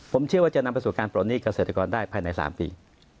ผมเชื่อว่าจะนำไปสู่การปลดหนี้เกษตรกรได้ภายใน๓ปี